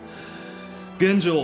現状